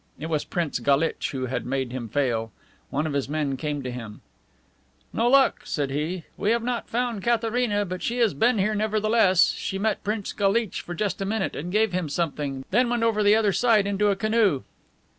It was Prince Galitch who had made him fail. One of his men came to him: "No luck," said he. "We have not found Katharina, but she has been here nevertheless. She met Prince Galitch for just a minute, and gave him something, then went over the other side into a canoe."